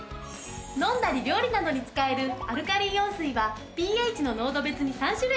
飲んだり料理などに使えるアルカリイオン水はｐＨの濃度別に３種類。